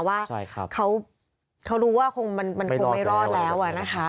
ว่าเขารู้ว่ามันคงไม่รอดแล้วนะคะ